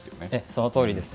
そのとおりです。